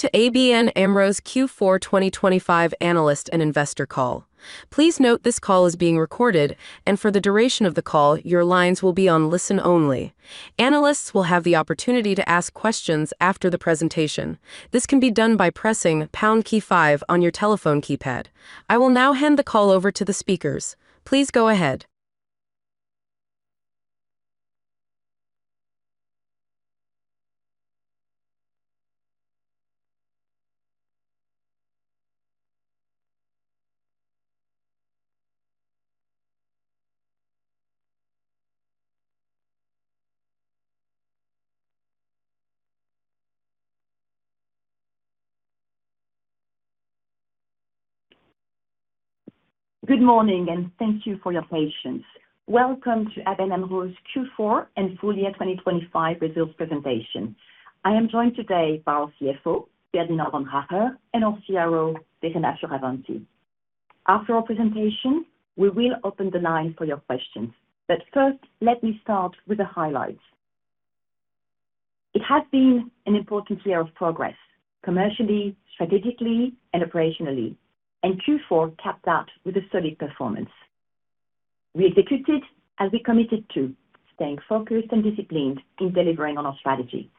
Welcome to ABN AMRO's Q4 2025 analyst and investor call. Please note this call is being recorded, and for the duration of the call, your lines will be on listen only. Analysts will have the opportunity to ask questions after the presentation. This can be done by pressing pound key five on your telephone keypad. I will now hand the call over to the speakers. Please go ahead. Good morning, and thank you for your patience. Welcome to ABN AMRO's Q4 and full year 2025 results presentation. I am joined today by our CFO, Ferdinand Vaandrager, and our CRO, Serena Fioravanti. After our presentation, we will open the line for your questions. First, let me start with the highlights. It has been an important year of progress, commercially, strategically, and operationally, and Q4 capped that with a solid performance. We executed as we committed to, staying focused and disciplined in delivering on our strategy.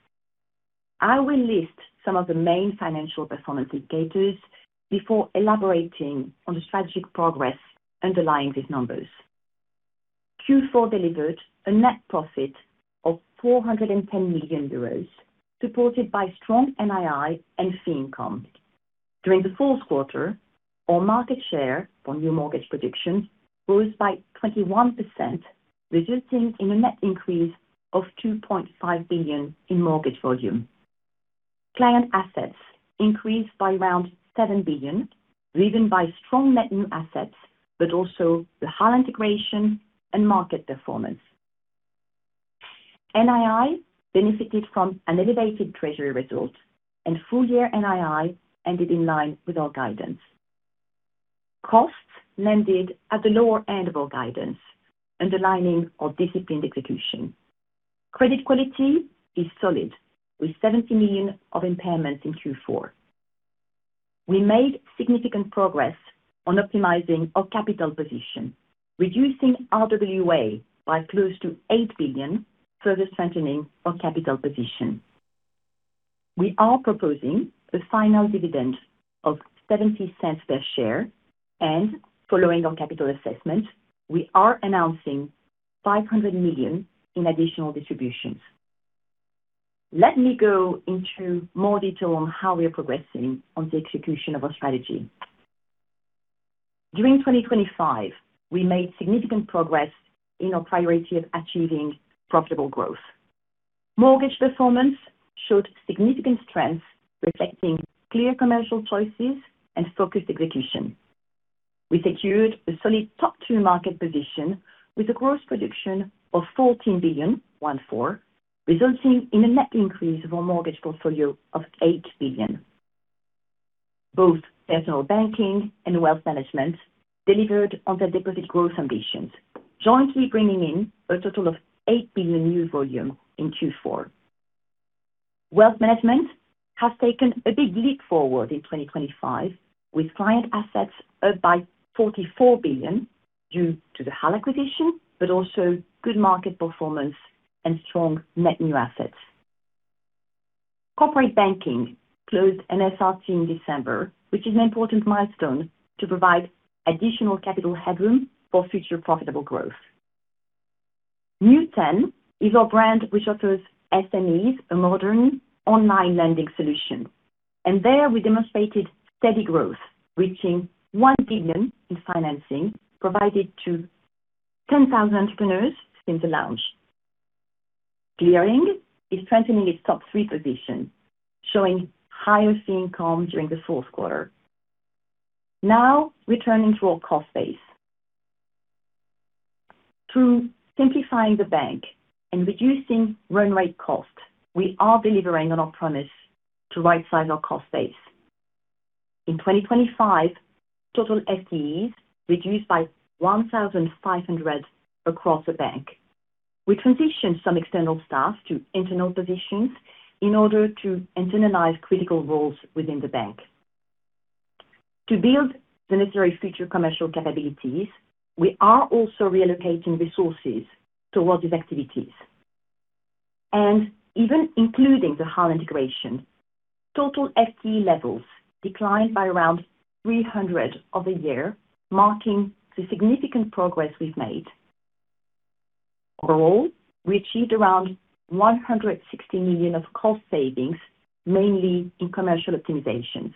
I will list some of the main financial performance indicators before elaborating on the strategic progress underlying these numbers. Q4 delivered a net profit of 410 million euros, supported by strong NII and fee income. During the fourth quarter, our market share on new mortgage predictions rose by 21%, resulting in a net increase of 2.5 billion in mortgage volume. Client assets increased by around 7 billion, driven by strong net new assets, but also the high integration and market performance. NII benefited from an elevated treasury result, and full year NII ended in line with our guidance. Costs landed at the lower end of our guidance, underlining our disciplined execution. Credit quality is solid, with 70 million of impairments in Q4. We made significant progress on optimizing our capital position, reducing RWA by close to 8 billion, further strengthening our capital position. We are proposing a final dividend of 0.70 per share, and following our capital assessment, we are announcing 500 million in additional distributions. Let me go into more detail on how we are progressing on the execution of our strategy. During 2025, we made significant progress in our priority of achieving profitable growth. Mortgage performance showed significant strength, reflecting clear commercial choices and focused execution. We secured a solid top-tier market position with a gross production of 14 billion, 1.4, resulting in a net increase of our mortgage portfolio of 8 billion. Both personal banking and wealth management delivered on their deposit growth ambitions, jointly bringing in a total of 8 billion new volume in Q4. Wealth management has taken a big leap forward in 2025, with client assets up by 44 billion due to the HAL acquisition, but also good market performance and strong net new assets. Corporate Banking closed an SRT in December, which is an important milestone to provide additional capital headroom for future profitable growth. New10 is our brand, which offers SMEs a modern online lending solution, and there we demonstrated steady growth, reaching 1 billion in financing provided to 10,000 entrepreneurs since the launch. Clearing is strengthening its top three position, showing higher fee income during the fourth quarter. Now, returning to our cost base. Through simplifying the bank and reducing run rate cost, we are delivering on our promise to rightsize our cost base. In 2025, total FTEs reduced by 1,500 across the bank. We transitioned some external staff to internal positions in order to internalize critical roles within the bank. To build the necessary future commercial capabilities, we are also reallocating resources towards these activities. And even including the high integration, total FTE levels declined by around 300 of the year, marking the significant progress we've made. Overall, we achieved around 160 million of cost savings, mainly in commercial optimizations.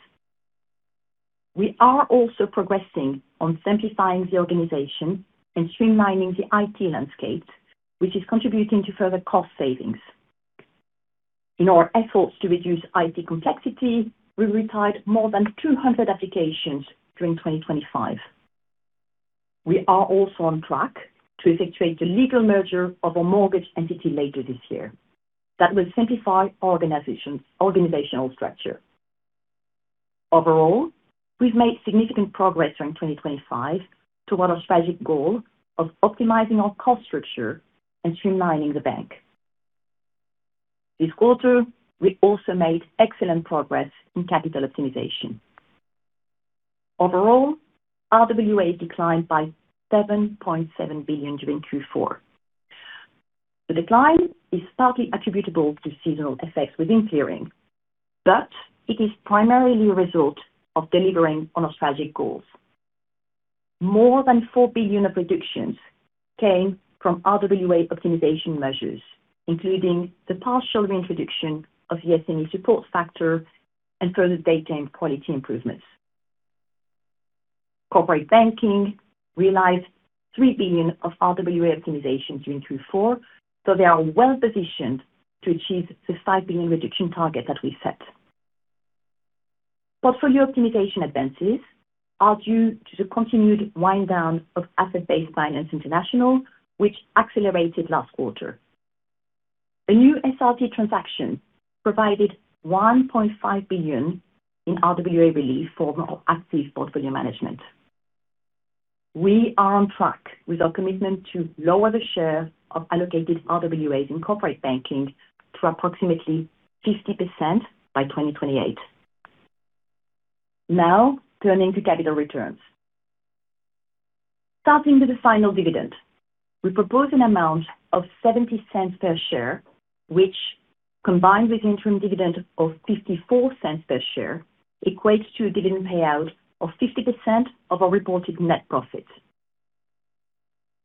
We are also progressing on simplifying the organization and streamlining the IT landscape, which is contributing to further cost savings. In our efforts to reduce IT complexity, we retired more than 200 applications during 2025. We are also on track to effectuate the legal merger of a mortgage entity later this year that will simplify organization, organizational structure. Overall, we've made significant progress during 2025 toward our strategic goal of optimizing our cost structure and streamlining the bank. This quarter, we also made excellent progress in capital optimization. Overall, RWA declined by 7.7 billion during Q4. The decline is partly attributable to seasonal effects within clearing, but it is primarily a result of delivering on our strategic goals. More than 4 billion of reductions came from RWA optimization measures, including the partial reintroduction of the SME support factor and further data and quality improvements. Corporate Banking realized 3 billion of RWA optimization during Q4, so they are well positioned to achieve the 5 billion reduction target that we set. Portfolio optimization advances are due to the continued wind down of Asset-Based Finance international, which accelerated last quarter. The new SRT transaction provided 1.5 billion in RWA relief for more active portfolio management. We are on track with our commitment to lower the share of allocated RWAs in Corporate Banking to approximately 50% by 2028. Now, turning to capital returns. Starting with the final dividend, we propose an amount of 0.70 per share, which, combined with interim dividend of 0.54 per share, equates to a dividend payout of 50% of our reported net profit.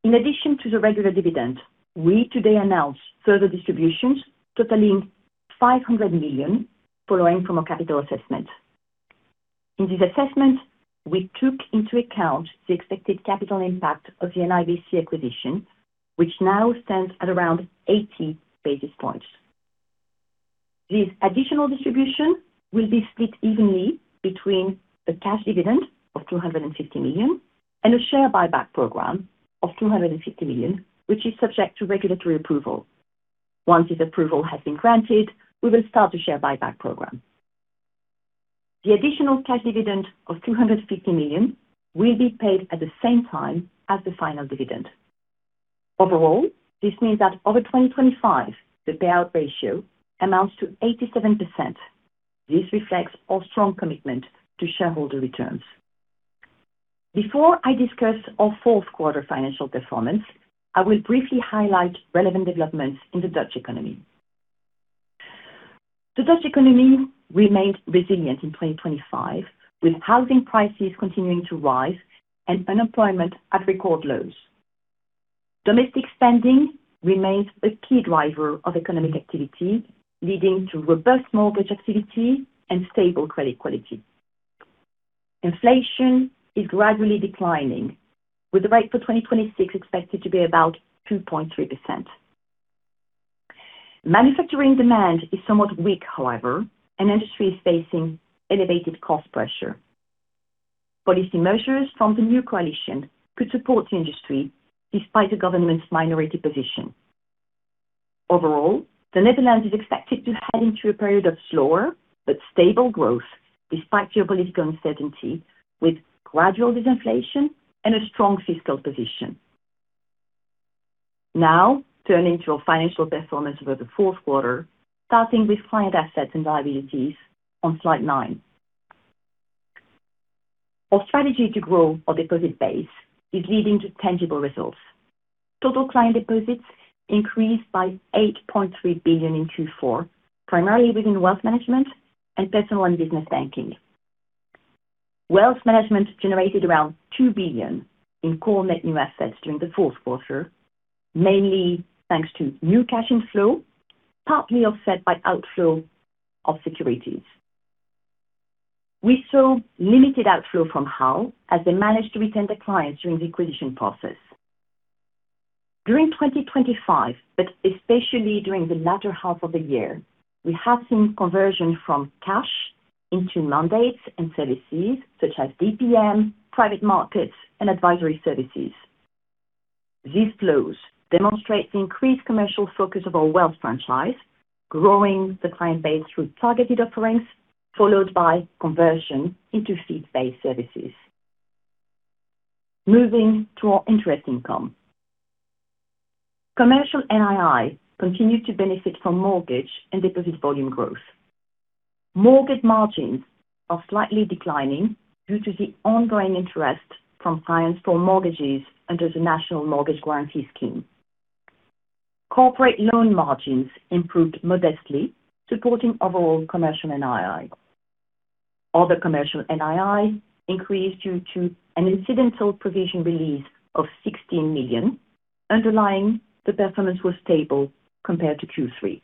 In addition to the regular dividend, we today announced further distributions totaling 500 million, following from a capital assessment. In this assessment, we took into account the expected capital impact of the NIBC acquisition, which now stands at around 80 basis points. This additional distribution will be split evenly between the cash dividend of 250 million and a share buyback program of 250 million, which is subject to regulatory approval. Once this approval has been granted, we will start the share buyback program. The additional cash dividend of 250 million will be paid at the same time as the final dividend. Overall, this means that over 2025, the payout ratio amounts to 87%. This reflects our strong commitment to shareholder returns. Before I discuss our fourth quarter financial performance, I will briefly highlight relevant developments in the Dutch economy. The Dutch economy remained resilient in 2025, with housing prices continuing to rise and unemployment at record lows. Domestic spending remains a key driver of economic activity, leading to robust mortgage activity and stable credit quality. Inflation is gradually declining, with the rate for 2026 expected to be about 2.3%. Manufacturing demand is somewhat weak, however, and industry is facing elevated cost pressure. Policy measures from the new coalition could support the industry despite the government's minority position. Overall, the Netherlands is expected to head into a period of slower but stable growth, despite geopolitical uncertainty, with gradual disinflation and a strong fiscal position. Now, turning to our financial performance over the fourth quarter, starting with client assets and liabilities on slide nine. Our strategy to grow our deposit base is leading to tangible results. Total client deposits increased by 8.3 billion in Q4, primarily within Wealth Management and Personal and Business Banking. Wealth Management generated around 2 billion in core net new assets during the fourth quarter, mainly thanks to new cash inflow, partly offset by outflow of securities. We saw limited outflow from HAL, as they managed to retain the clients during the acquisition process. During 2025, but especially during the latter half of the year, we have seen conversion from cash into mandates and services such as DPM, private markets, and advisory services. These flows demonstrate the increased commercial focus of our wealth franchise, growing the client base through targeted offerings, followed by conversion into fee-based services. Moving to our interest income. Commercial NII continued to benefit from mortgage and deposit volume growth. Mortgage margins are slightly declining due to the ongoing interest from clients for mortgages under the National Mortgage Guarantee Scheme. Corporate loan margins improved modestly, supporting overall commercial NII. Other commercial NII increased due to an incidental provision release of 16 million. Underlying, the performance was stable compared to Q3.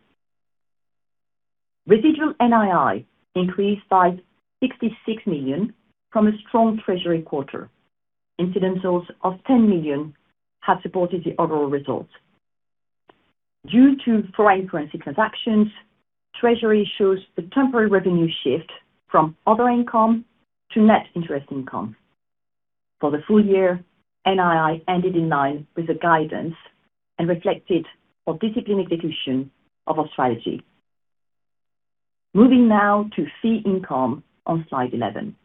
Residual NII increased by 66 million from a strong treasury quarter. Incidentals of 10 million have supported the overall results. Due to foreign currency transactions, treasury shows a temporary revenue shift from other income to net interest income. For the full year, NII ended in line with the guidance and reflected our disciplined execution of our strategy. Moving now to fee income on slide 11.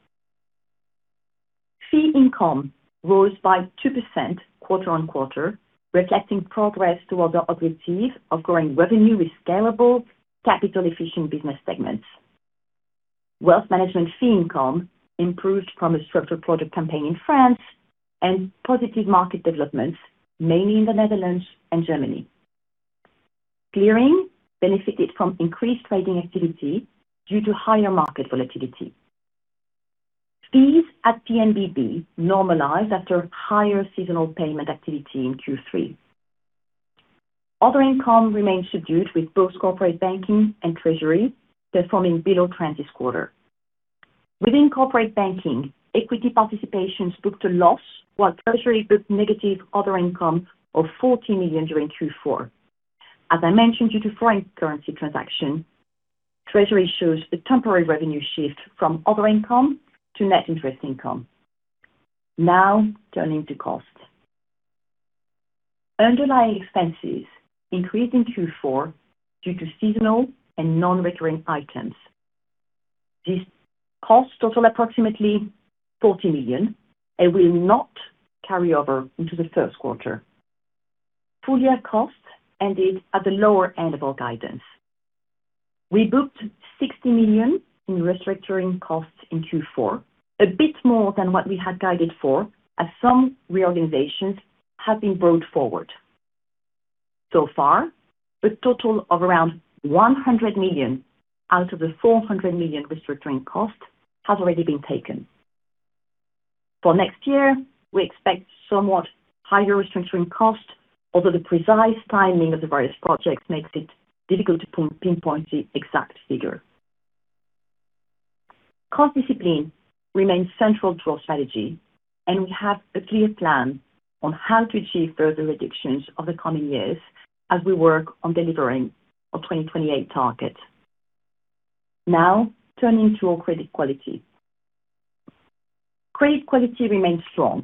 Fee income rose by 2% quarter-on-quarter, reflecting progress toward our objective of growing revenue with scalable, capital-efficient business segments. Wealth management fee income improved from a structured product campaign in France and positive market developments, mainly in the Netherlands and Germany. Clearing benefited from increased trading activity due to higher market volatility. Fees at P&BB normalized after higher seasonal payment activity in Q3. Other income remained subdued, with both Corporate Banking and treasury performing below trend this quarter. Within Corporate Banking, Equity Participations booked a loss, while treasury booked negative other income of 40 million during Q4. As I mentioned, due to foreign currency transaction, treasury shows a temporary revenue shift from other income to net interest income. Now turning to cost. Underlying expenses increased in Q4 due to seasonal and non-recurring items. These costs total approximately 40 million and will not carry over into the first quarter. Full-year costs ended at the lower end of our guidance. We booked 60 million in restructuring costs in Q4, a bit more than what we had guided for, as some reorganizations have been brought forward. So far, a total of around 100 million out of the 400 million restructuring costs has already been taken. For next year, we expect somewhat higher restructuring costs, although the precise timing of the various projects makes it difficult to pinpoint the exact figure. Cost discipline remains central to our strategy, and we have a clear plan on how to achieve further reductions over the coming years as we work on delivering our 2028 target. Now turning to our credit quality. Credit quality remains strong,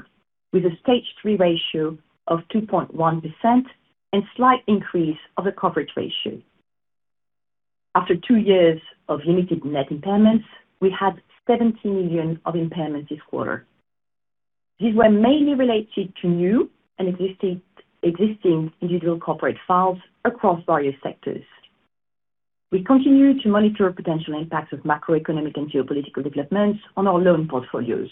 with a stage three ratio of 2.1% and slight increase of the coverage ratio. After two years of limited net impairments, we had 17 million of impairment this quarter. These were mainly related to new and existing, existing individual corporate files across various sectors. We continue to monitor potential impacts of macroeconomic and geopolitical developments on our loan portfolios.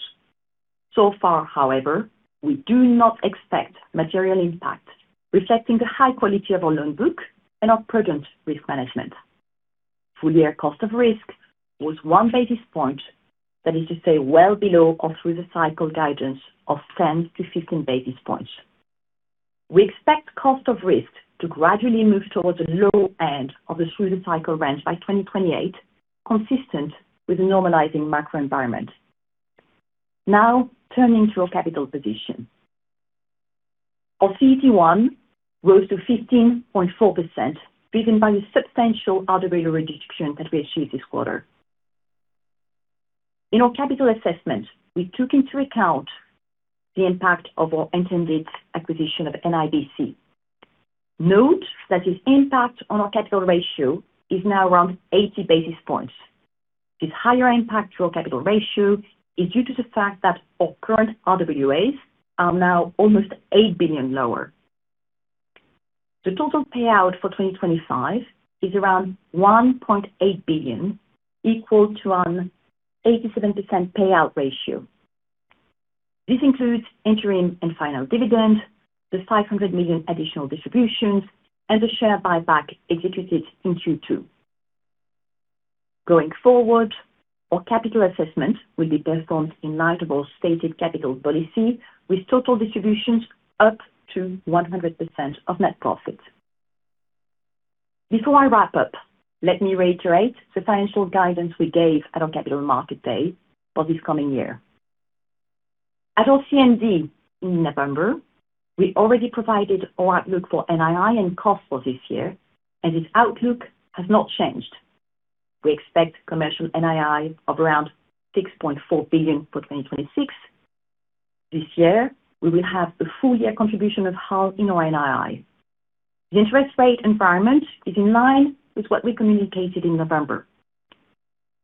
So far, however, we do not expect material impact, reflecting the high quality of our loan book and our prudent risk management. Full-year cost of risk was one basis point, that is to say, well below our through-the-cycle guidance of 10 to 15 basis points. We expect cost of risk to gradually move towards the low end of the through-the-cycle range by 2028, consistent with the normalizing macro environment. Now turning to our capital position. Our CET1 rose to 15.4%, driven by the substantial RWA reduction that we achieved this quarter. In our capital assessment, we took into account the impact of our intended acquisition of NIBC. Note that this impact on our capital ratio is now around 80 basis points. This higher impact to our capital ratio is due to the fact that our current RWAs are now almost 8 billion lower. The total payout for 2025 is around 1.8 billion, equal to an 87% payout ratio. This includes interim and final dividend, the 500 million additional distributions, and the share buyback executed in Q2. Going forward, our capital assessment will be performed in light of our stated capital policy, with total distributions up to 100% of net profit. Before I wrap up, let me reiterate the financial guidance we gave at our Capital Market Day for this coming year. At our CMD in November, we already provided our outlook for NII and cost for this year, and this outlook has not changed. We expect commercial NII of around 6.4 billion for 2026. This year, we will have the full-year contribution of HAL in our NII. The interest rate environment is in line with what we communicated in November.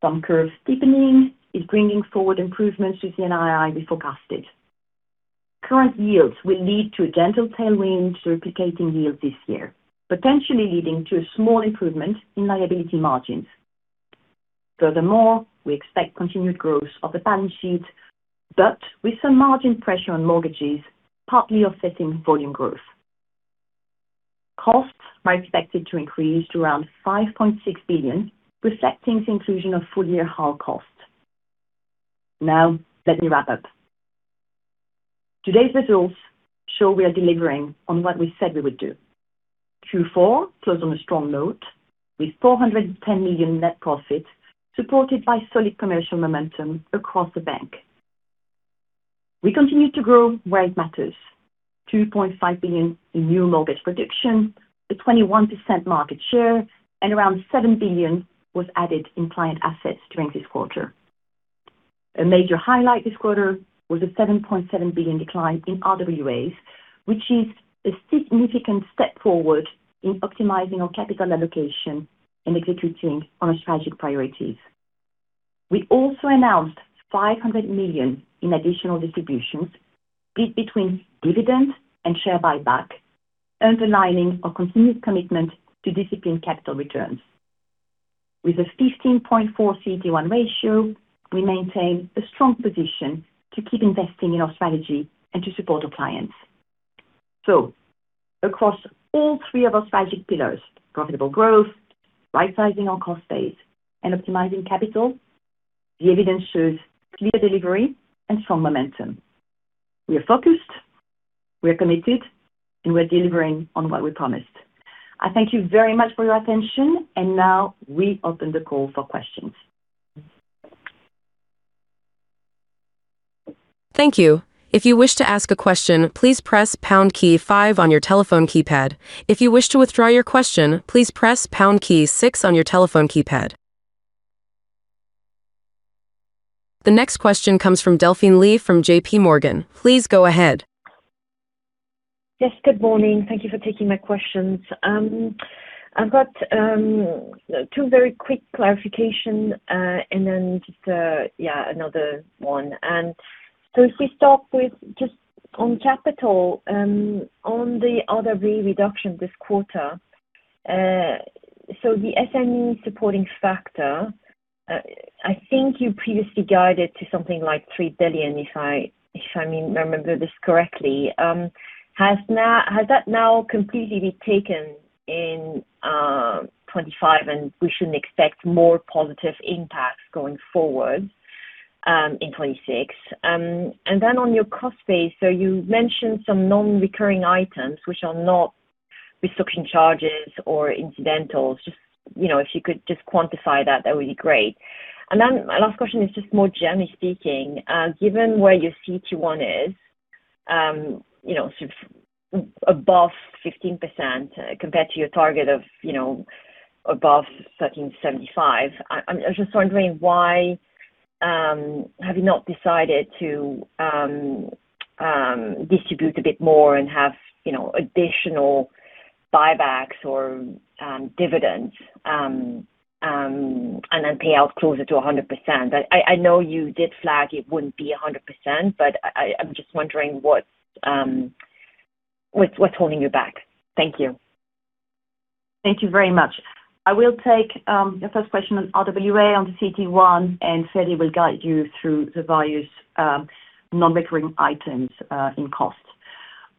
Some curve steepening is bringing forward improvements to the NII we forecasted. Current yields will lead to a gentle tailwind to replicating yield this year, potentially leading to a small improvement in liability margins. Furthermore, we expect continued growth of the balance sheet, but with some margin pressure on mortgages, partly offsetting volume growth. Costs are expected to increase to around 5.6 billion, reflecting the inclusion of full-year HAL costs. Now, let me wrap up. Today's results show we are delivering on what we said we would do. Q4 closed on a strong note, with 410 million net profit, supported by solid commercial momentum across the bank. We continue to grow where it matters 2.5 billion in new mortgage production, a 21% market share, and around 7 billion was added in client assets during this quarter. A major highlight this quarter was a 7.7 billion decline in RWAs, which is a significant step forward in optimizing our capital allocation and executing on our strategic priorities. We also announced 500 million in additional distributions between dividends and share buyback, underlining our continued commitment to disciplined capital returns. With a 15.4 CET1 ratio, we maintain a strong position to keep investing in our strategy and to support our clients. So across all three of our strategic pillars, profitable growth, right sizing our cost base, and optimizing capital, the evidence shows clear delivery and strong momentum. We are focused, we are committed, and we're delivering on what we promised. I thank you very much for your attention, and now we open the call for questions. Thank you. If you wish to ask a question, please press pound key five on your telephone keypad. If you wish to withdraw your question, please press pound key six on your telephone keypad. The next question comes from Delphine Lee from J.P. Morgan. Please go ahead. Yes, good morning. Thank you for taking my questions. I've got two very quick clarification, and then just yeah, another one. So if we start with just on capital, on the RWA reduction this quarter, so the SME Support Factor, I think you previously guided to something like 3 billion, if I remember this correctly. Has that now completely been taken in 2025, and we shouldn't expect more positive impacts going forward in 2026? And then on your cost base, so you mentioned some non-recurring items which are not risk-taking charges or incidentals. Just, you know, if you could just quantify that, that would be great. And then my last question is just more generally speaking, given where your CET1 is, you know, sort of above 15%, compared to your target of, you know, above 13.75%, I'm, I was just wondering why, have you not decided to, distribute a bit more and have, you know, additional buybacks or, dividends, and then pay out closer to 100%? I, I know you did flag it wouldn't be 100%, but I, I'm just wondering what, what's, what's holding you back. Thank you. Thank you very much. I will take the first question on RWA, on the CET1, and Ferdi will guide you through the various non-recurring items in costs.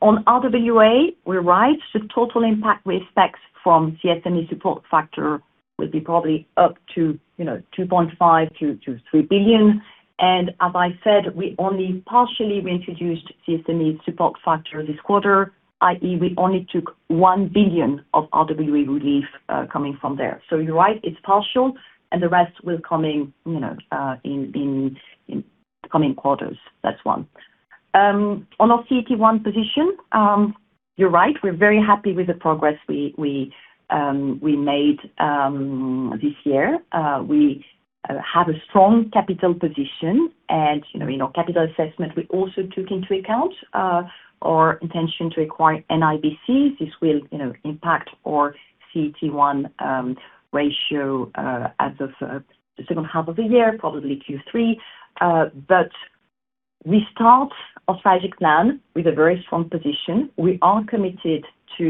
On RWA, we're right. The total impact we expect from SME support factor will be probably up to, you know, 2.5 billion-3 billion. And as I said, we only partially reintroduced SME support factor this quarter, i.e., we only took 1 billion of RWA relief coming from there. So you're right, it's partial, and the rest will coming, you know, in coming quarters. That's one. On our CET1 position, you're right, we're very happy with the progress we made this year. We have a strong capital position and, you know, in our capital assessment, we also took into account our intention to acquire NIBC. This will, you know, impact our CET1 ratio as of the second half of the year, probably Q3. But we start our strategic plan with a very strong position. We are committed to,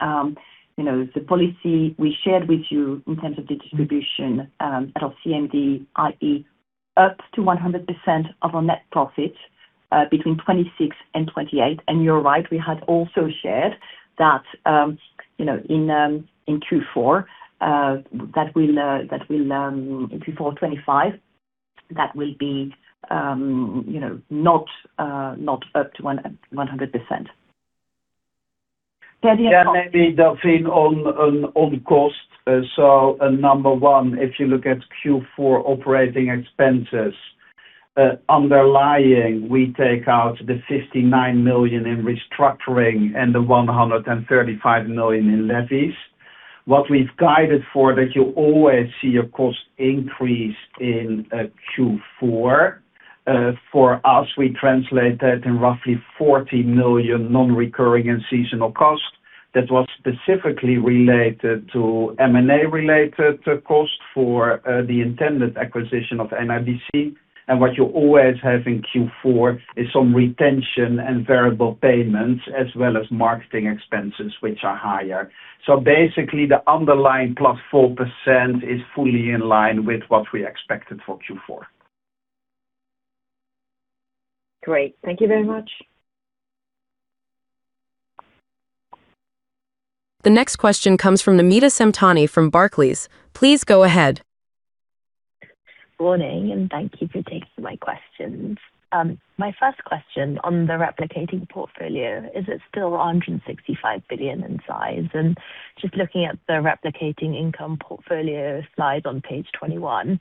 you know, the policy we shared with you in terms of the distribution at our CMD, i.e., up to 100% of our net profit between 2026 and 2028. And you're right, we had also shared that, you know, in Q4, that will in Q4 2025, that will be, you know, not up to 100%. Yeah, maybe Delphine on, on, on cost. So, number one, if you look at Q4 operating expenses, underlying, we take out the 59 million in restructuring and the 135 million in levies. What we've guided for, that you always see a cost increase in, Q4. For us, we translate that in roughly 40 million non-recurring and seasonal costs. That was specifically related to M&A-related costs for, the intended acquisition of NIBC. And what you always have in Q4 is some retention and variable payments, as well as marketing expenses, which are higher. So basically, the underlying plus 4% is fully in line with what we expected for Q4. Great. Thank you very much. The next question comes from Namita Samtani from Barclays. Please go ahead. Morning, and thank you for taking my questions. My first question on the replicating portfolio, is it still 165 billion in size? And just looking at the replicating income portfolio slide on page 21,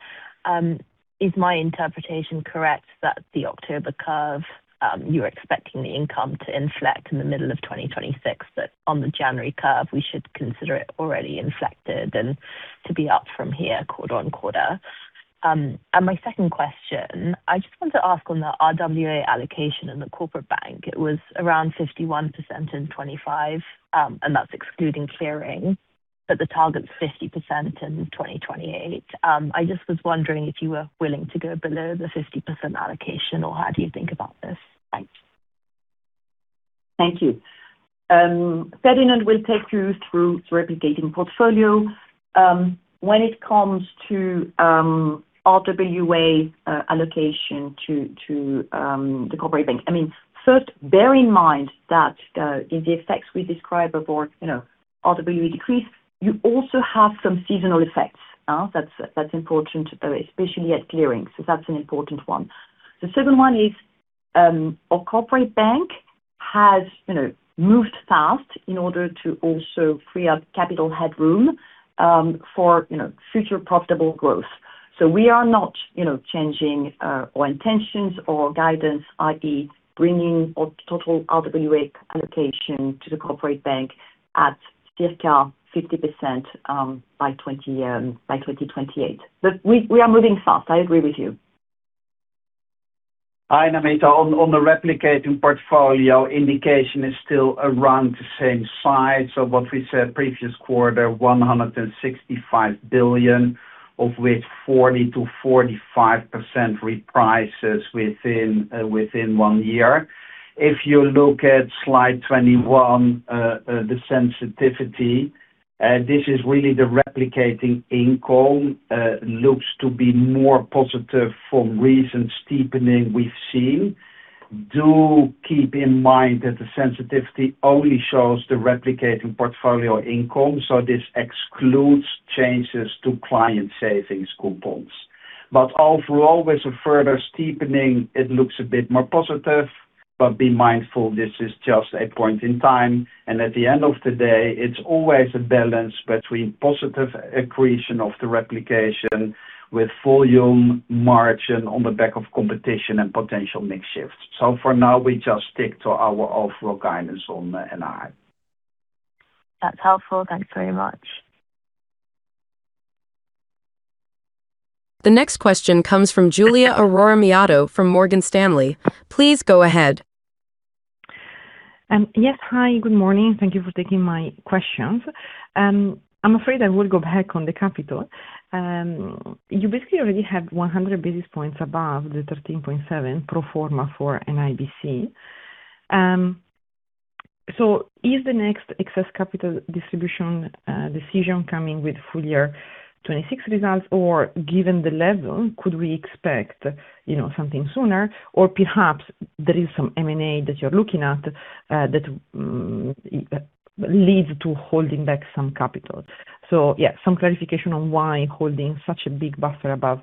Is my interpretation correct, that the October curve, you're expecting the income to inflect in the middle of 2026, but on the January curve, we should consider it already inflected and to be up from here quarter-on-quarter? My second question, I just want to ask on the RWA allocation in the corporate bank, it was around 51% in 2025, and that's excluding clearing, but the target's 50% in 2028. I just was wondering if you were willing to go below the 50% allocation, or how do you think about this? Thanks. Thank you. Ferdinand will take you through replicating portfolio. When it comes to RWA allocation to the corporate bank. I mean, first, bear in mind that in the effects we described before, you know, RWA decrease, you also have some seasonal effects, that's important, especially at clearing. So that's an important one. The second one is, our corporate bank has, you know, moved fast in order to also free up capital headroom, for, you know, future profitable growth. So we are not, you know, changing our intentions or guidance, i.e., bringing our total RWA allocation to the corporate bank at circa 50% by 2028. But we are moving fast. I agree with you. Hi, Namita. On the replicating portfolio, indication is still around the same size of what we said previous quarter, 165 billion, of which 40%-45% reprices within one year. If you look at slide 21, the sensitivity, this is really the replicating income, looks to be more positive for recent steepening we've seen. Do keep in mind that the sensitivity only shows the replicating portfolio income, so this excludes changes to client savings coupons. But overall, with a further steepening, it looks a bit more positive. But be mindful, this is just a point in time, and at the end of the day, it's always a balance between positive accretion of the replication with volume margin on the back of competition and potential mix shifts. So for now, we just stick to our overall guidance on NII. That's helpful. Thanks very much. The next question comes from Giulia Aurora Miatto from Morgan Stanley. Please go ahead. Yes. Hi, good morning. Thank you for taking my questions. I'm afraid I will go back on the capital. You basically already have 100 basis points above the 13.7 pro forma for NIBC. So is the next excess capital distribution decision coming with full year 2026 results? Or given the level, could we expect, you know, something sooner? Or perhaps there is some M&A that you're looking at, that leads to holding back some capital. So yeah, some clarification on why holding such a big buffer above,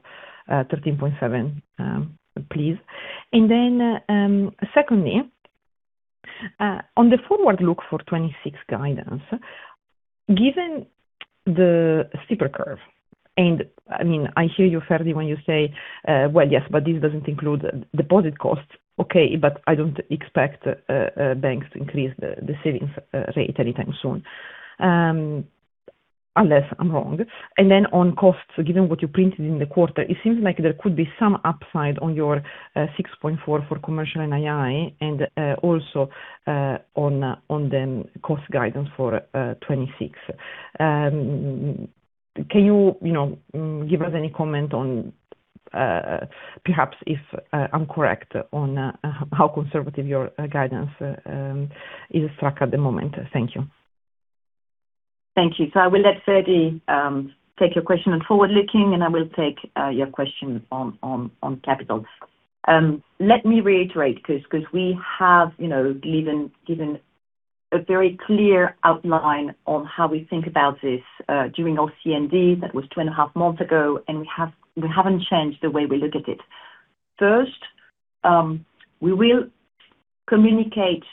13.7, please. And then, secondly, on the forward look for 2026 guidance, given the steeper curve, and I mean, I hear you, Ferdi, when you say, well, yes, but this doesn't include deposit costs. Okay, but I don't expect banks to increase the savings rate anytime soon, unless I'm wrong. And then on costs, given what you printed in the quarter, it seems like there could be some upside on your 6.4 for commercial NII and also on the cost guidance for 2026. Can you, you know, give us any comment on perhaps if I'm correct on how conservative your guidance is struck at the moment? Thank you. Thank you. So I will let Ferdi take your question on forward-looking, and I will take your question on capital. Let me reiterate, 'cause we have, you know, given a very clear outline on how we think about this, during our CND, that was two and a half months ago, and we haven't changed the way we look at it. First, we will communicate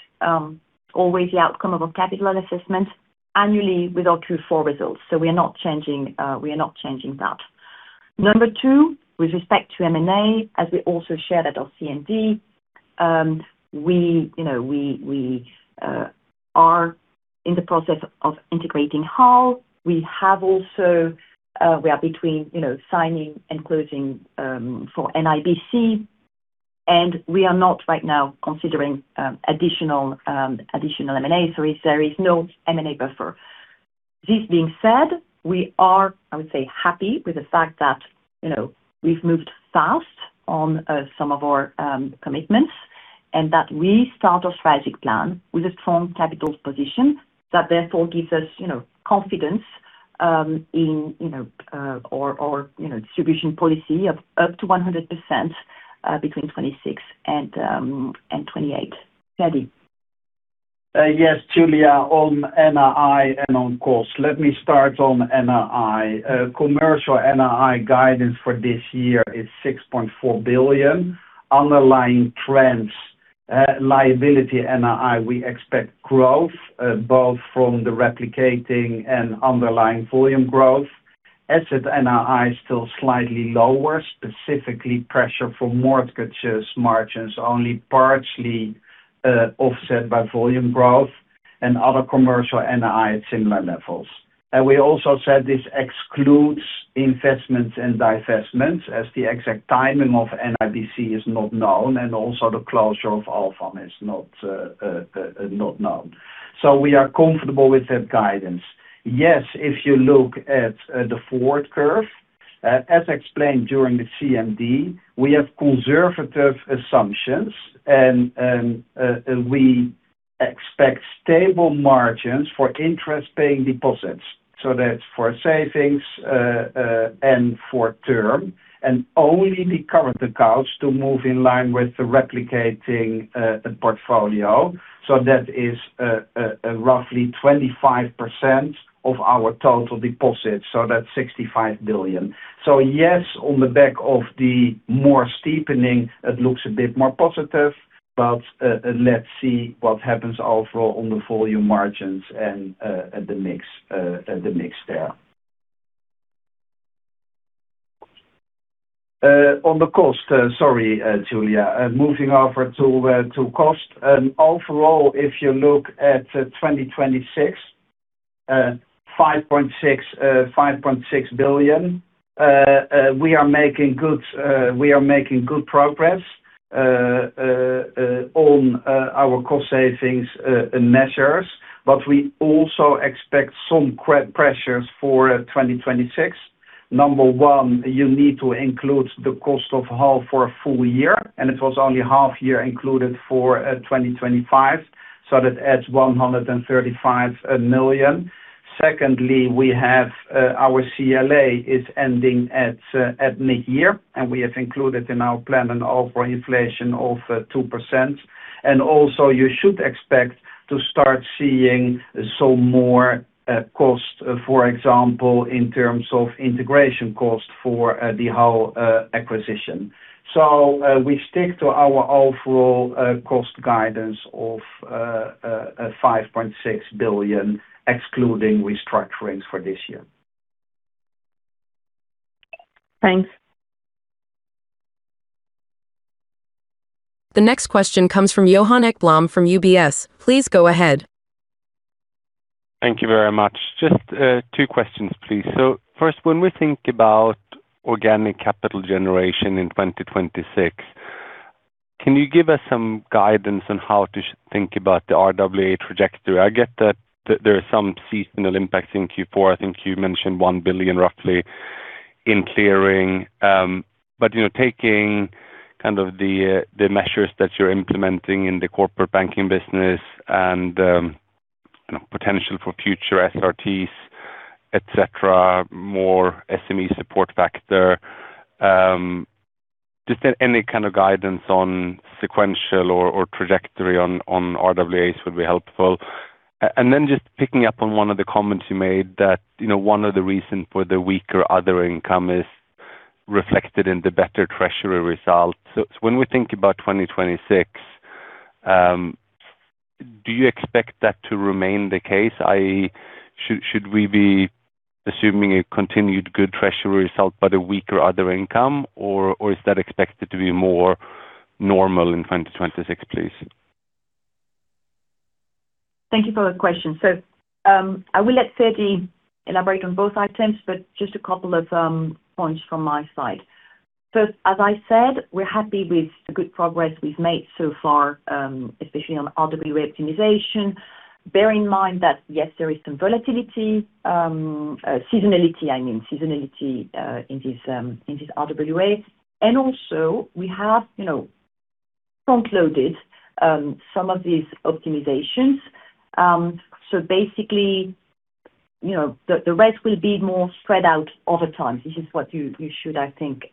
always the outcome of our capital assessment annually with our Q4 results, so we are not changing that. Number two, with respect to M&A, as we also shared at our CND, we, you know, are in the process of integrating HAL. We have also, we are between, you know, signing and closing for NIBC, and we are not right now considering additional, additional M&A, so there is no M&A buffer. This being said, we are, I would say, happy with the fact that, you know, we've moved fast on some of our commitments, and that we start our strategic plan with a strong capital position. That therefore gives us, you know, confidence in, you know, our, our, you know, distribution policy of up to 100% between 2026 and 2028. Ferdi? Yes, Giulia, on NII and on costs. Let me start on NII. Commercial NII guidance for this year is 6.4 billion. Underlying trends, liability NII, we expect growth, both from the replicating and underlying volume growth. Asset NII is still slightly lower, specifically pressure for mortgages margins only partially offset by volume growth and other commercial NII at similar levels. And we also said this excludes investments and divestments, as the exact timing of NIBC is not known, and also the closure of Alfam is not known. So we are comfortable with that guidance. Yes, if you look at the forward curve, as explained during the CMD, we have conservative assumptions and we expect stable margins for interest-paying deposits. So that's for savings, and for term, and only the current accounts to move in line with the replicating portfolio. So that is a roughly 25% of our total deposits, so that's 65 billion. So yes, on the back of the more steepening, it looks a bit more positive, but, let's see what happens overall on the volume margins and, at the mix, at the mix there. On the cost, sorry, Giulia. Moving over to cost. Overall, if you look at 2026, 5.6, 5.6 billion, we are making good, we are making good progress, on our cost savings measures, but we also expect some pressures for 2026. Number one, you need to include the cost of HAL for a full year, and it was only half year included for 2025, so that adds 135 million. Secondly, we have our CLA is ending at mid-year, and we have included in our plan an overall inflation of 2%. Also, you should expect to start seeing some more cost, for example, in terms of integration cost for the HAL acquisition. So, we stick to our overall cost guidance of 5.6 billion, excluding restructurings for this year. Thanks. The next question comes from Johan Ekblom from UBS. Please go ahead. Thank you very much. Just, two questions, please. So first, when we think about organic capital generation in 2026, can you give us some guidance on how to think about the RWA trajectory? I get that there are some seasonal impacts in Q4. I think you mentioned 1 billion, roughly, in clearing. But, you know, taking kind of the measures that you're implementing in the Corporate Banking business and potential for future SRTs, et cetera, more SME Support Factor, just any kind of guidance on sequential or trajectory on RWAs would be helpful. And then just picking up on one of the comments you made that, you know, one of the reasons for the weaker other income is reflected in the better treasury results. So when we think about 2026, do you expect that to remain the case? I should we be assuming a continued good treasury result, but a weaker other income, or is that expected to be more normal in 2026, please? Thank you for the question. So, I will let Ferdi elaborate on both items, but just a couple of points from my side. So, as I said, we're happy with the good progress we've made so far, especially on RWA optimization. Bear in mind that, yes, there is some volatility, seasonality, I mean, seasonality, in this RWA. And also we have, you know, front-loaded some of these optimizations. So basically, you know, the rest will be more spread out over time. This is what you should, I think,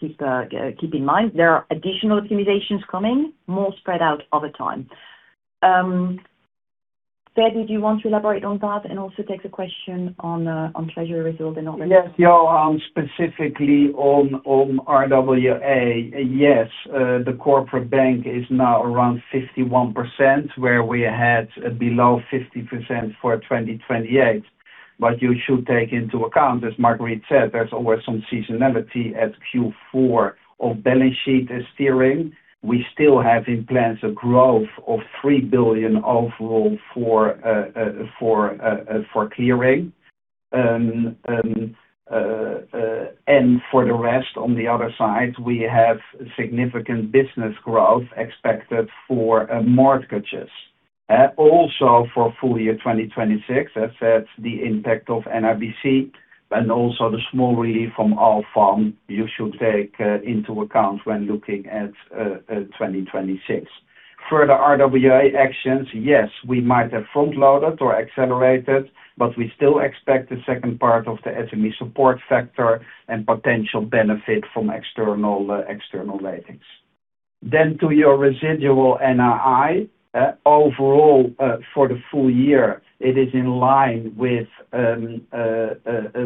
keep in mind. There are additional optimizations coming, more spread out over time. Ferdi, do you want to elaborate on that and also take the question on treasury result and all that? Yes, Johan, specifically on RWA. Yes, the corporate bank is now around 51%, where we had below 50% for 2028. But you should take into account, as Marguerite said, there's always some seasonality at Q4 of balance sheet steering. We still have in plans a growth of 3 billion overall for clearing. And for the rest, on the other side, we have significant business growth expected for mortgages. Also for full year 2026, that's the impact of NIBC and also the small relief from Alfam, you should take into account when looking at 2026. Further RWA actions, yes, we might have front-loaded or accelerated, but we still expect the second part of the SME Support Factor and potential benefit from external ratings. Then to your residual NII, overall, for the full year, it is in line with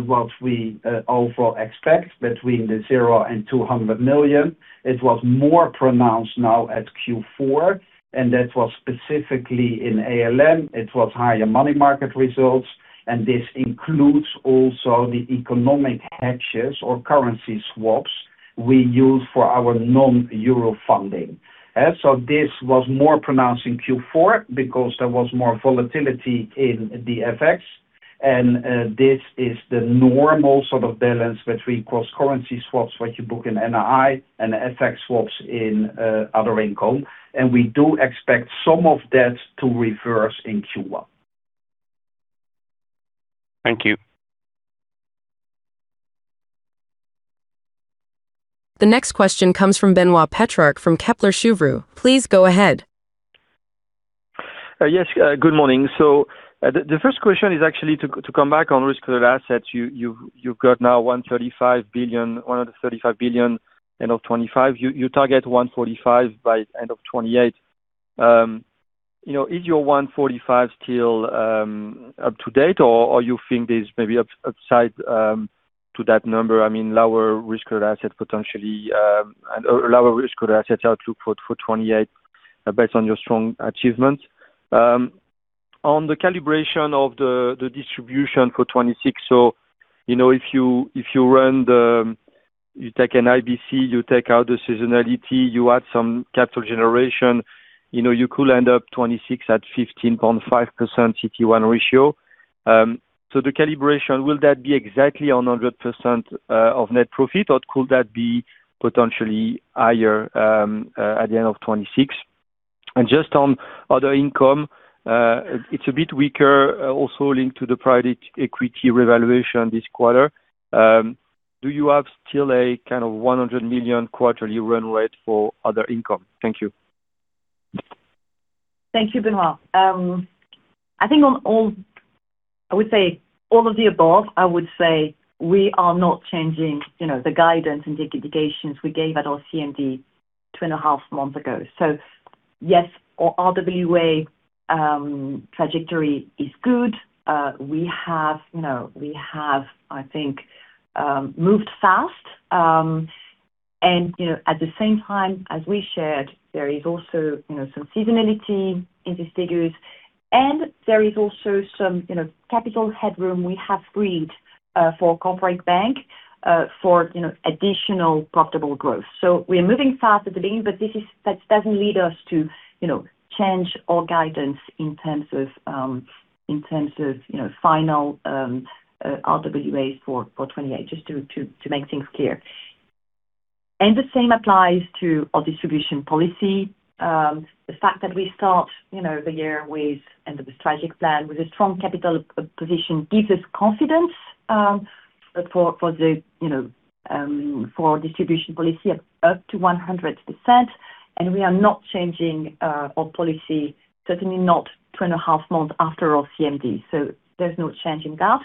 what we overall expect between 0 million and 200 million. It was more pronounced now at Q4, and that was specifically in ALM. It was higher money market results, and this includes also the economic hedges or currency swaps we use for our non-euro funding. So this was more pronounced in Q4 because there was more volatility in the FX, and this is the normal sort of balance between cross-currency swaps, where you book an NII and FX swaps in other income. And we do expect some of that to reverse in Q1. Thank you. The next question comes from Benoit Pétrarque, from Kepler Cheuvreux. Please go ahead. Yes, good morning. So, the first question is actually to come back on risk-adjusted assets. You've got now 135 billion, 135 billion end of 2025. You target 145 by end of 2028. You know, is your 145 still up to date, or you think there's maybe upside to that number? I mean, lower risk-adjusted asset potentially, and lower risk-adjusted asset outlook for 2028, based on your strong achievements. On the calibration of the distribution for 2026. So, you know, if you run the, You take a NIBC, you take out the seasonality, you add some capital generation, you know, you could end up 2026 at 15.5% CET1 ratio. So the calibration, will that be exactly 100% of net profit, or could that be potentially higher at the end of 2026? And just on other income, it's a bit weaker, also linked to the private equity revaluation this quarter. Do you have still a kind of 100 million quarterly run rate for other income? Thank you. Thank you, Benoit. I think on all, I would say all of the above, I would say we are not changing, you know, the guidance and the indications we gave at our CMD two and a half months ago. So yes, our RWA trajectory is good. We have, you know, we have, I think, moved fast. And, you know, at the same time, as we shared, there is also, you know, some seasonality in these figures, and there is also some, you know, capital headroom we have freed for corporate bank for, you know, additional profitable growth. So we are moving fast at the beginning, but this is. That doesn't lead us to, you know, change our guidance in terms of in terms of, you know, final RWAs for 2028, just to make things clear. The same applies to our distribution policy. The fact that we start, you know, the year with end of the strategic plan, with a strong capital position, gives us confidence, but for the distribution policy up to 100%, and we are not changing our policy, certainly not 2.5 months after our CMD. So there's no change in that.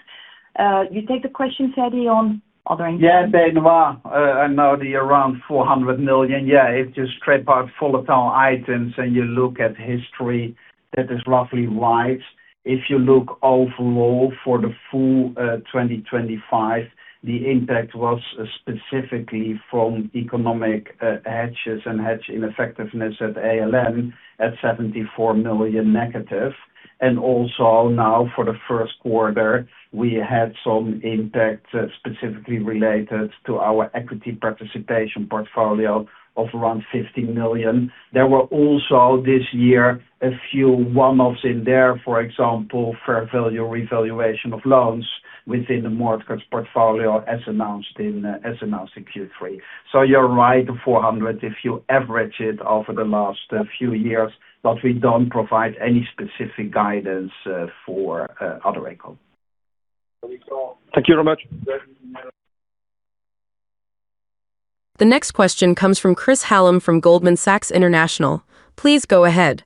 You take the question, Teddy, on other income? Yes, Benoit, I know the around 400 million. Yeah, if you strip out volatile items and you look at history, that is roughly wide. If you look overall for the full 2025, the impact was specifically from economic hedges and hedge ineffectiveness at ALM at 74 million negative. And also now for the first quarter, we had some impact specifically related to our equity participation portfolio of around 50 million. There were also, this year, a few one-offs in there, for example, fair value revaluation of loans within the mortgage portfolio, as announced in, as announced in Q3. So you're right, 400, if you average it over the last few years, but we don't provide any specific guidance for other income. Thank you very much. The next question comes from Chris Hallam from Goldman Sachs International. Please go ahead.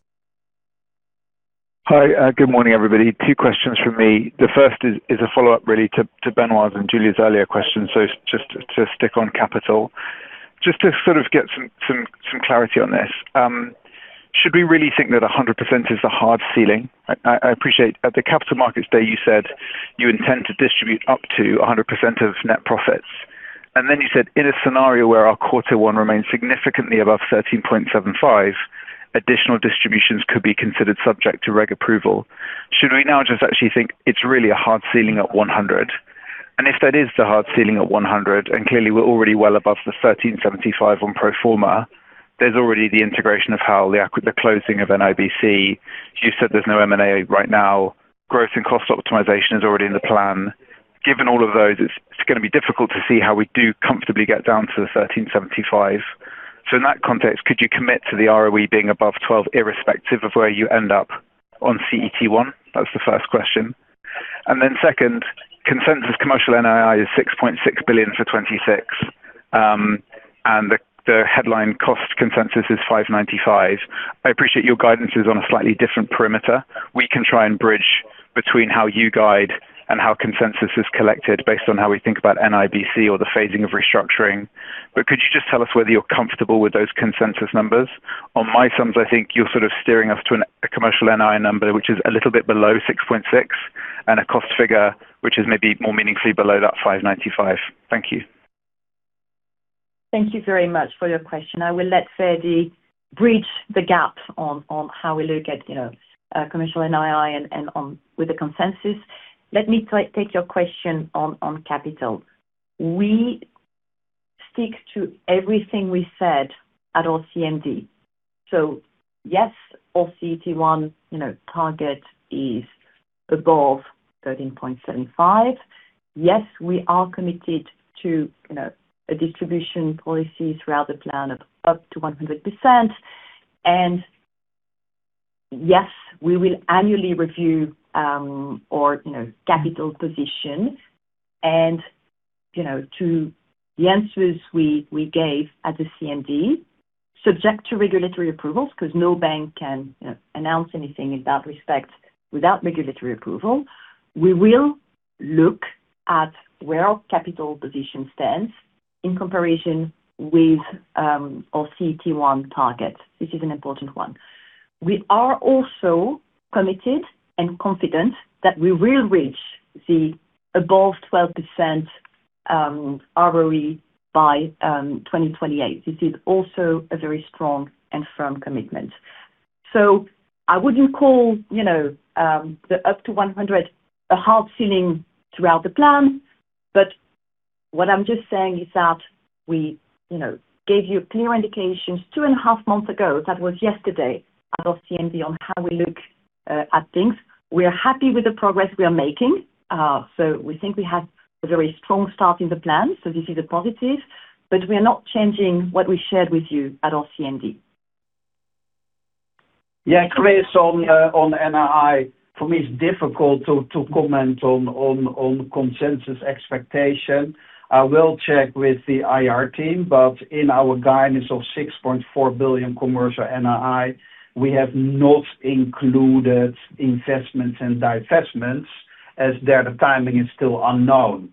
Hi, good morning, everybody. Two questions from me. The first is a follow-up, really, to Benoit's and Giulia's earlier question, so just to stick on capital. Just to sort of get some clarity on this, should we really think that 100% is the hard ceiling? I appreciate at the Capital Markets Day, you said you intend to distribute up to 100% of net profits. And then you said, "In a scenario where our quarter one remains significantly above 13.75, additional distributions could be considered subject to reg approval." Should we now just actually think it's really a hard ceiling at 100%? And if that is the hard ceiling at 100%, and clearly, we're already well above the 13.75 on pro forma, there's already the integration of how the ac-- the closing of NIBC. You said there's no M&A right now. Growth and cost optimization is already in the plan. Given all of those, it's gonna be difficult to see how we do comfortably get down to the 13.75. So in that context, could you commit to the ROE being above 12, irrespective of where you end up on CET1? That's the first question. Then second, consensus commercial NII is 6.6 billion for 2026, and the headline cost consensus is 595 million. I appreciate your guidance is on a slightly different perimeter. We can try and bridge between how you guide and how consensus is collected based on how we think about NIBC or the phasing of restructuring. But could you just tell us whether you're comfortable with those consensus numbers? On my sums, I think you're sort of steering us to a commercial NII number, which is a little bit below 6.6, and a cost figure, which is maybe more meaningfully below that 5.95. Thank you. Thank you very much for your question. I will let Ferdi bridge the gap on how we look at, you know, commercial NII and on with the consensus. Let me take your question on capital. We stick to everything we said at our CMD. So yes, our CET1, you know, target is above 13.75%. Yes, we are committed to, you know, a distribution policy throughout the plan of up to 100%. And yes, we will annually review, you know, capital position and, you know, to the answers we gave at the CMD, subject to regulatory approvals, 'cause no bank can announce anything in that respect without regulatory approval. We will look at where our capital position stands in comparison with our CET1 target. This is an important one. We are also committed and confident that we will reach the above 12% ROE by 2028. This is also a very strong and firm commitment. So I wouldn't call, you know, the up to 100 a hard ceiling throughout the plan, but what I'm just saying is that we, you know, gave you clear indications 2.5 months ago, that was yesterday, at our CMD on how we look at things. We are happy with the progress we are making, so we think we have a very strong start in the plan. So this is a positive, but we are not changing what we shared with you at our CMD. Yeah, Chris, on, on NII, for me, it's difficult to, to comment on, on, on consensus expectation. I will check with the IR team, but in our guidance of 6.4 billion commercial NII, we have not included investments and divestments, as there the timing is still unknown.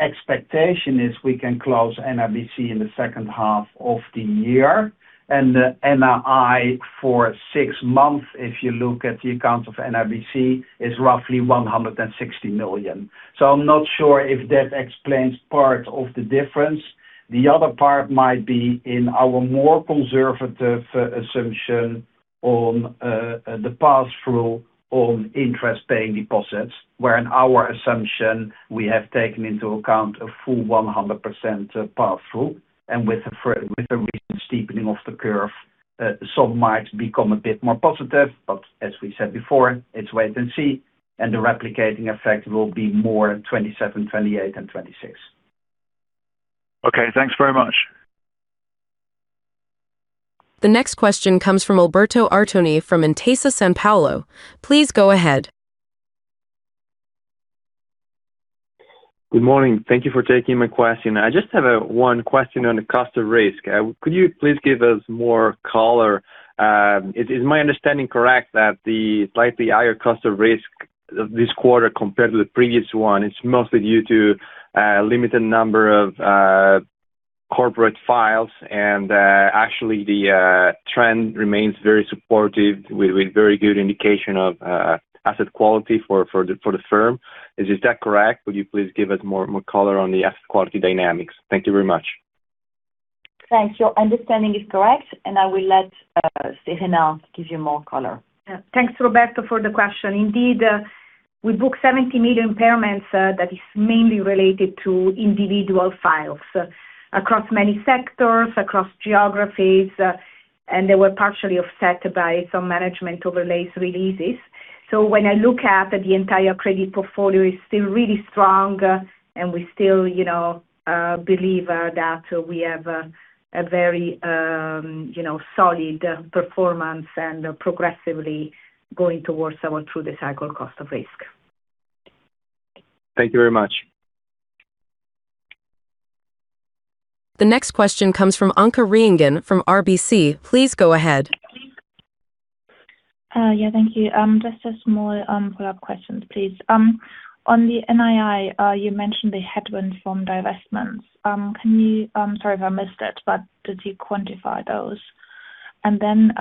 Expectation is we can close NIBC in the second half of the year, and the NII for six months, if you look at the accounts of NIBC, is roughly 160 million. So I'm not sure if that explains part of the difference. The other part might be in our more conservative, assumption on, the pass-through on interest-paying deposits, where in our assumption we have taken into account a full 100%, pass-through. And with the recent steepening of the curve, some might become a bit more positive, but as we said before, it's wait and see, and the replicating effect will be more in 2027, 2028 and 2026. Okay, thanks very much. The next question comes from Alberto Artoni from Intesa Sanpaolo. Please go ahead. Good morning. Thank you for taking my question. I just have one question on the cost of risk. Could you please give us more color? Is my understanding correct that the slightly higher cost of risk this quarter compared to the previous one, it's mostly due to limited number of corporate files, and actually the trend remains very supportive with very good indication of asset quality for the firm. Is that correct? Would you please give us more color on the asset quality dynamics? Thank you very much. Thanks. Your understanding is correct, and I will let Serena give you more color. Yeah. Thanks, Alberto, for the question. Indeed, we booked 70 million impairments, that is mainly related to individual files, across many sectors, across geographies, and they were partially offset by some management overlay releases. So when I look at the entire credit portfolio is still really strong, and we still, you know, believe, that we have, a very, you know, solid, performance and progressively going towards our through-the-cycle cost of risk. Thank you very much. The next question comes from Anke Reingen from RBC. Please go ahead. Yeah, thank you. Just a small follow-up questions, please. On the NII, you mentioned the headwind from divestments. Can you, sorry if I missed it, but did you quantify those? And then,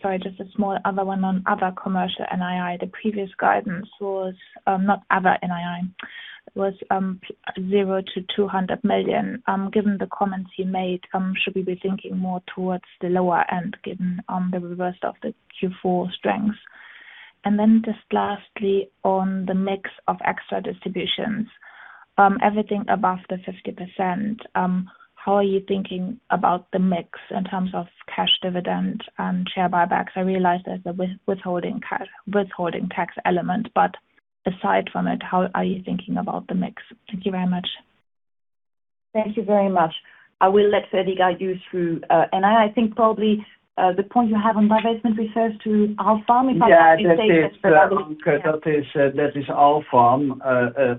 sorry, just a small other one on other commercial NII. The previous guidance was not other NII, was zero to 200 million. Given the comments you made, should we be thinking more towards the lower end, given the reverse of the Q4 strengths? And then just lastly, on the mix of extra distributions, everything above the 50%, how are you thinking about the mix in terms of cash dividend and share buybacks? I realize there's a withholding tax element, but aside from it, how are you thinking about the mix? Thank you very much. Thank you very much. I will let Ferdi guide you through, and I think probably, the point you have on divestment refers to our firm, if I may say. Yeah, that is, that is our firm.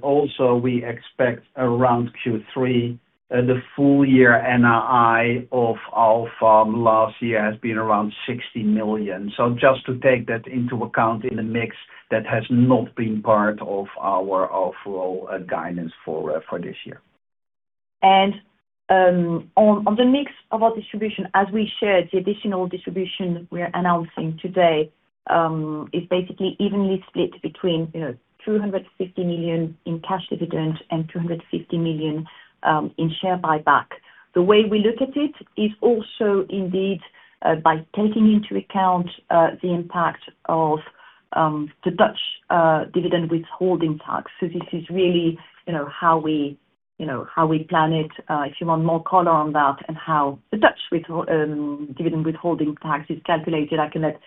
Also, we expect around Q3, the full year NII of our firm last year has been around 60 million. So just to take that into account in the mix, that has not been part of our overall guidance for this year. And, on the mix of our distribution, as we shared, the additional distribution we are announcing today is basically evenly split between, you know, 250 million in cash dividend and 250 million in share buyback. The way we look at it is also indeed by taking into account the impact of the Dutch dividend withholding tax. So this is really, you know, how we, you know, how we plan it. If you want more color on that and how the Dutch dividend withholding tax is calculated, I can let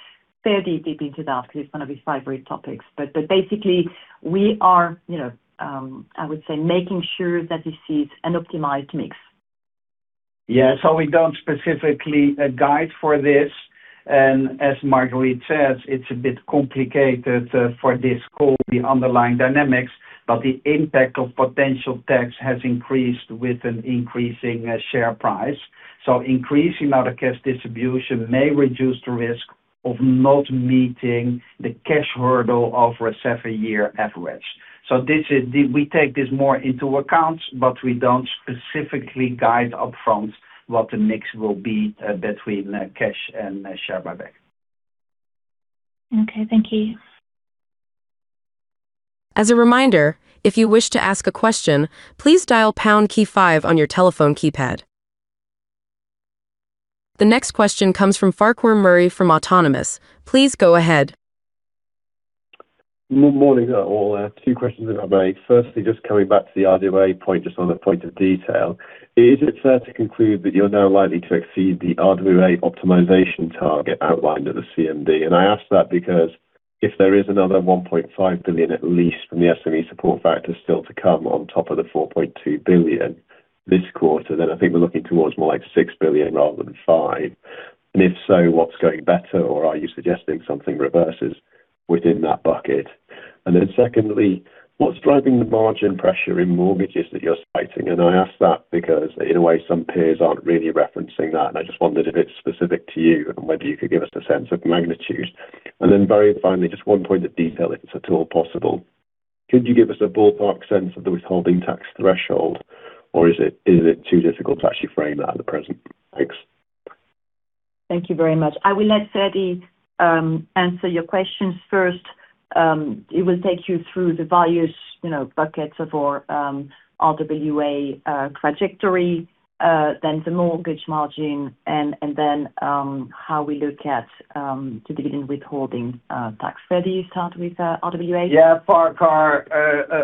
Ferdi dig into that because it's one of his favorite topics. But basically, we are, you know, I would say, making sure that this is an optimized mix. Yeah. So we don't specifically guide for this, and as Marguerite says, it's a bit complicated for this call, the underlying dynamics, but the impact of potential tax has increased with an increasing share price. So increasing our cash distribution may reduce the risk of not meeting the cash hurdle of a seven-year average. So this is—we take this more into account, but we don't specifically guide upfront what the mix will be between cash and share buyback. Okay, thank you. As a reminder, if you wish to ask a question, please dial pound key five on your telephone keypad. The next question comes from Farquhar Murray from Autonomous. Please go ahead. Good morning, all. Two questions if I may. Firstly, just coming back to the RWA point, just on a point of detail, is it fair to conclude that you're now likely to exceed the RWA optimization target outlined at the CMD? And I ask that because if there is another 1.5 billion, at least from the SME Support Factor, still to come on top of the 4.2 billion this quarter, then I think we're looking towards more like 6 billion rather than 5 billion. And if so, what's going better, or are you suggesting something reverses within that bucket? And then secondly, what's driving the margin pressure in mortgages that you're citing? And I ask that because in a way, some peers aren't really referencing that, and I just wondered if it's specific to you and whether you could give us a sense of magnitude. And then very finally, just one point of detail, if it's at all possible. Could you give us a ballpark sense of the withholding tax threshold, or is it, is it too difficult to actually frame that at the present? Thanks. Thank you very much. I will let Ferdi answer your questions first. He will take you through the values, you know, buckets for RWA trajectory, then the mortgage margin, and then how we look at the dividend withholding tax. Ferdi, you start with RWA? Yeah, Farquhar,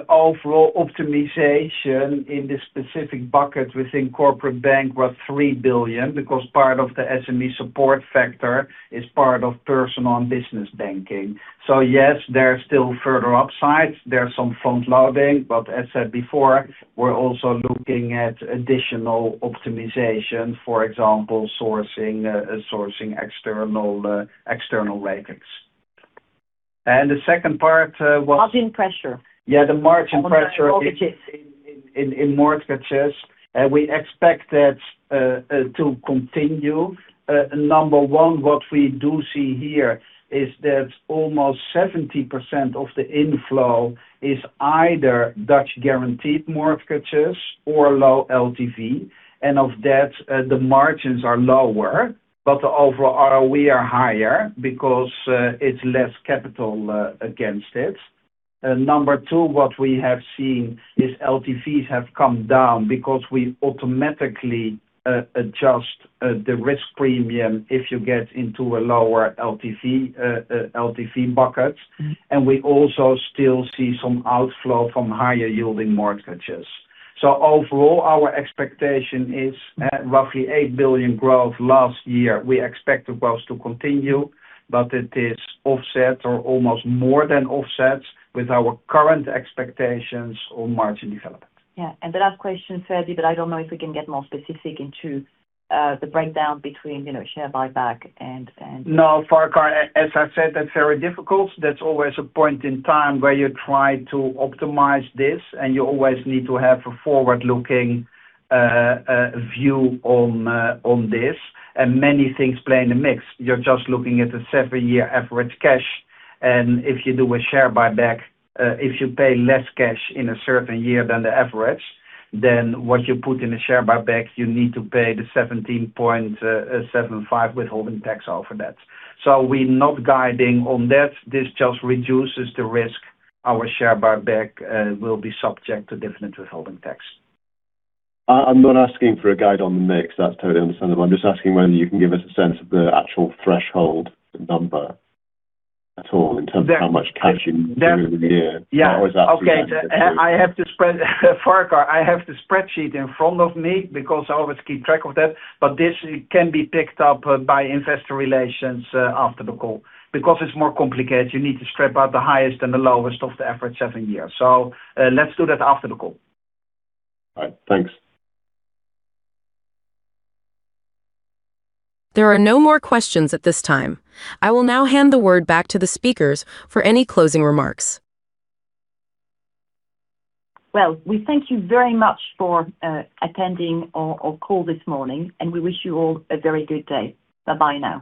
overall optimization in this specific bucket within corporate bank was 3 billion, because part of the SME support factor is part of personal and business banking. So yes, there are still further upsides. There are some front loading, but as said before, we're also looking at additional optimization, for example, sourcing external rates. And the second part was- Margin pressure. Yeah, the margin pressure- Mortgages in mortgages, and we expect that to continue. Number one, what we do see here is that almost 70% of the inflow is either Dutch guaranteed mortgages or low LTV, and of that, the margins are lower, but the overall ROE are higher because it's less capital against it. Number two, what we have seen is LTVs have come down because we automatically adjust the risk premium if you get into a lower LTV bucket. We also still see some outflow from higher yielding mortgages. Overall, our expectation is at roughly 8 billion growth last year. We expect the growth to continue, but it is offset or almost more than offset with our current expectations on margin development. Yeah, and the last question, Ferdi, but I don't know if we can get more specific into the breakdown between, you know, share buyback and, and- No, Farquhar, as I said, that's very difficult. That's always a point in time where you try to optimize this, and you always need to have a forward-looking view on on this, and many things play in the mix. You're just looking at a seven-year average cash, and if you do a share buyback, if you pay less cash in a certain year than the average, then what you put in a share buyback, you need to pay the 17.75 withholding tax over that. So we're not guiding on that. This just reduces the risk our share buyback will be subject to dividend withholding tax. I'm not asking for a guide on the mix. That's totally understandable. I'm just asking whether you can give us a sense of the actual threshold number at all in terms of how much cash you move in a year. Yeah. Or is that- Okay. I have the spread Farquhar, I have the spreadsheet in front of me because I always keep track of that, but this can be picked up by investor relations after the call. Because it's more complicated, you need to strip out the highest and the lowest of the average seven years. So, let's do that after the call. All right. Thanks. There are no more questions at this time. I will now hand the word back to the speakers for any closing remarks. Well, we thank you very much for attending our call this morning, and we wish you all a very good day. Bye-bye now.